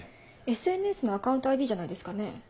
ＳＮＳのアカウントＩＤじゃないですかね？